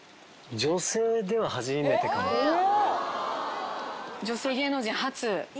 お！